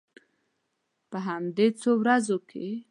په همدې څو ورځو کې.